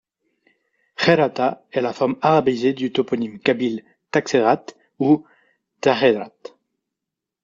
Kherrata est la forme arabisée du toponyme kabyle taxerrat ou thakherrat.